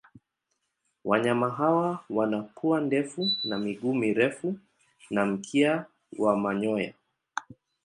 Wanyama hawa wana pua ndefu na miguu mirefu na mkia wa manyoya.